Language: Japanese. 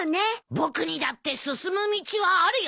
僕にだって進む道はあるよ。